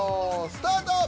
スタート！